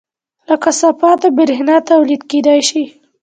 له کثافاتو بریښنا تولید کیدی شي